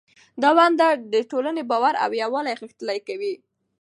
دا ونډه د ټولنې باور او یووالی غښتلی کوي.